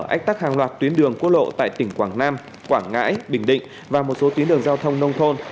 ách tắc hàng loạt tuyến đường quốc lộ tại tỉnh quảng nam quảng ngãi bình định và một số tuyến đường giao thông nông thôn